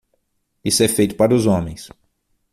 Isso é feito para os homens.